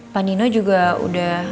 pandino juga udah